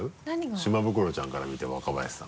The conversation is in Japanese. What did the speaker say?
島袋ちゃんから見て若林さん。